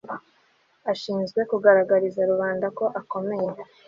ashinzwe kugaragariza rubanda ko akomeza